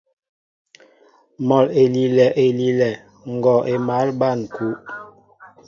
Mɔ elilɛ elilɛ, ngɔɔ émal ɓăn kúw.